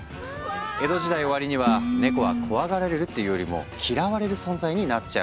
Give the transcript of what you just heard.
江戸時代終わりにはネコは怖がられるっていうよりも嫌われる存在になっちゃうんだ。